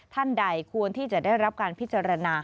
ท่านใดควรที่จะได้รับการพิจารณา